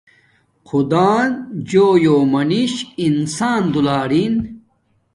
خدان جُݹ منش انسان دولارین